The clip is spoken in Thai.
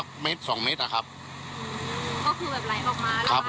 ก็คือแบบไหลออกมาระบายเร็วครับผมครับเร็วแล้วทีเนี้ยพอระบายเร็ว